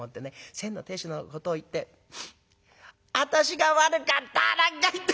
『先の亭主のことを言って私が悪かった！』なんか言って。